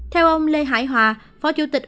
theo ông lê hải hòa phó chủ tịch